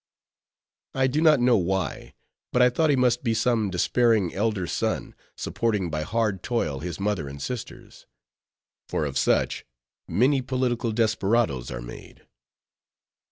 I do not know why, but I thought he must be some despairing elder son, supporting by hard toil his mother and sisters; for of such many political desperadoes are made.